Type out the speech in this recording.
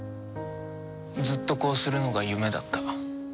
ずっとこうするのが夢だった。